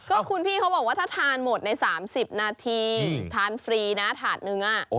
ก็คุณพี่เขาบอกว่าถ้าทานหมดใน๓๐นาทีทานฟรีนะถาดนึง